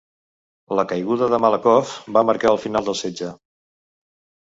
La caiguda de Malakoff va marcar el final del setge.